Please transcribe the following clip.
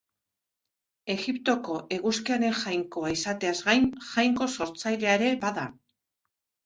Egiptoko eguzkiaren jainkoa izateaz gain jainko sortzailea ere bada.